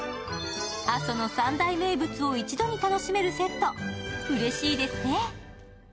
阿蘇の三大名物を一度に楽しめるセット、うれしいですね。